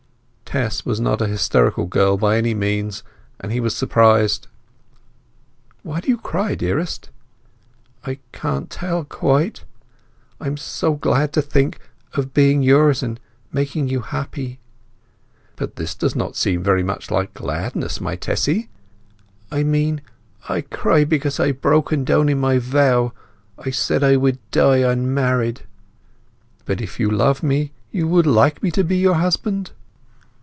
Tess was not a hysterical girl by any means, and he was surprised. "Why do you cry, dearest?" "I can't tell—quite!—I am so glad to think—of being yours, and making you happy!" "But this does not seem very much like gladness, my Tessy!" "I mean—I cry because I have broken down in my vow! I said I would die unmarried!" "But, if you love me you would like me to be your husband?"